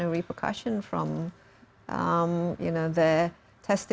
dari pengakuan mereka